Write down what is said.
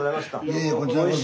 いえいえこちらこそ。